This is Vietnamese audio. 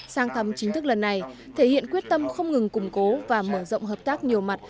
sang thăm chính thức lần này thể hiện quyết tâm không ngừng củng cố và mở rộng hợp tác nhiều mặt